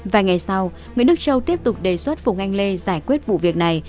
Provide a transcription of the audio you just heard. vài ngày sau nguyễn đức châu tiếp tục đề xuất phùng anh lê giải quyết vụ việc này